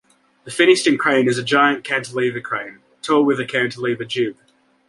The Finnieston Crane is a giant cantilever crane, tall with a cantilever jib.